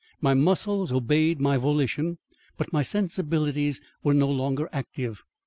My muscles obeyed my volition, but my sensibilities were no longer active.